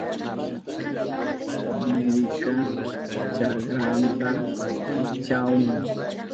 Meryka chakranta pichahun.